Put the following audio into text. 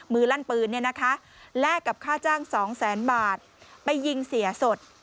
ลั่นปืนแลกกับค่าจ้างสองแสนบาทไปยิงเสียสด